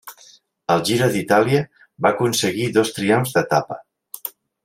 Al Giro d'Itàlia va aconseguir dos triomfs d'etapa.